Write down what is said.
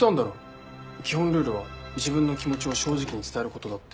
基本ルールは自分の気持ちを正直に伝えることだって。